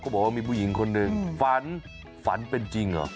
บอกว่ามีผู้หญิงคนหนึ่งฝันฝันเป็นจริงเหรอ